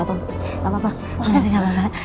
tunggu gak apa apa